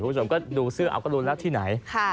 คุณผู้ชมก็ดูเสื้อเอาก็รู้แล้วที่ไหน